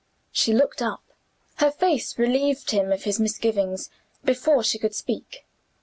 She looked up. Her face relieved him of his misgivings, before she could speak.